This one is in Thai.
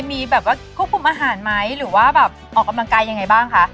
มีแบบว่าควบคุมอาหารไหมหรือว่าแบบออกกำลังกายยังไงบ้างคะ